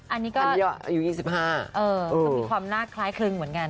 อันนี้ก็อายุ๒๕ก็มีความน่าคล้ายคลึงเหมือนกัน